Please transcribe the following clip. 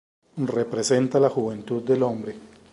Representa la juventud del hombre.